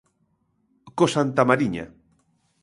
–Co Santamariña.